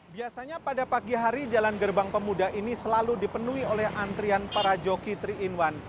biasanya pada pagi hari jalan gerbang pemuda ini selalu dipenuhi oleh antrian para joki tiga in satu